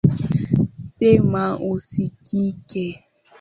Sema usikike.